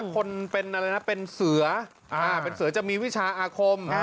จริงถ้าคนเป็นเสือจะมีวิชาอาคม